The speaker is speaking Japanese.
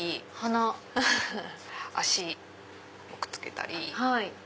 脚をくっつけたり。